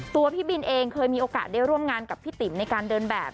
พี่บินเองเคยมีโอกาสได้ร่วมงานกับพี่ติ๋มในการเดินแบบ